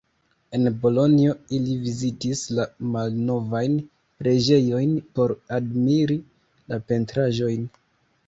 En Bolonjo ili vizitis la malnovajn preĝejojn por admiri la pentraĵojn.